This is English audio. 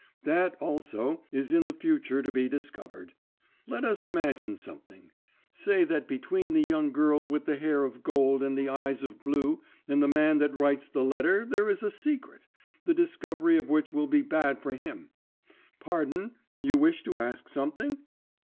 That, also, is in the future to be discovered. Let us imagine something. Say that between the young girl with the hair of gold and the eyes of blue and the man that writes the letter there is a secret, the discovery of which will be bad for him. Pardon, you wish to ask something?'